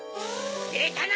でたな！